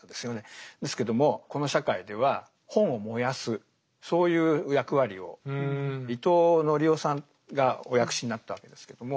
ですけどもこの社会では本を燃やすそういう役割を伊藤典夫さんがお訳しになったわけですけども。